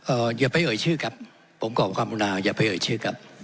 อย่าไปเอ่ยชื่อครับผมขอความอุณาอย่าไปเอ่ยชื่อครับ